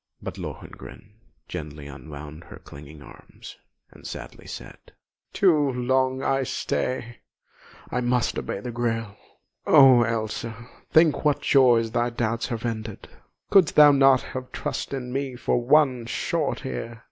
But Lohengrin gently unwound her clinging arms, and sadly said: "Too long I stay I must obey the Grail! Oh, Elsa, think what joys thy doubts have ended! Couldst thou not trust in me for one short year?